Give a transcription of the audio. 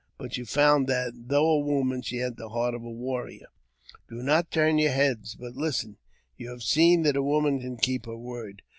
But you found that, though a woman, she had the heart of a warrior. " Do not turn your heads, but Hsten. You have seen that a woman can keep her word.